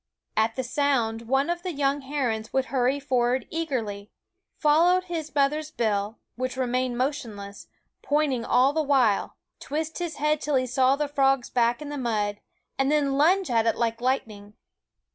At the sound one of the young herons would hurry for ward eagerly ; follow his mother's bill, which remained motionless, pointing all the while ; twist his head till he saw the frog's back in the mud, and then lunge at it like lightning.